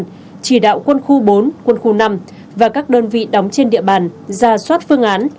chỉ đạo quân khu bốn quân khu năm và các đơn vị đóng trên địa bàn ra soát phương án